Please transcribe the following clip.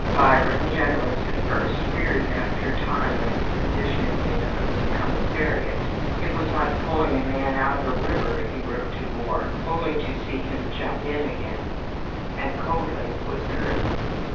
Byron, generous at first, wearied after a time of his position in Hunt's commissariat (it was like pulling a man out of a river, he wrote to Moore, only to see him jump in again), and coldly withdrew.